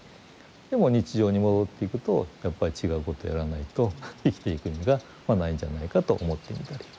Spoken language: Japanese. でも日常に戻っていくとやっぱり違うことをやらないと生きていく意味がないんじゃないかと思ってみたり。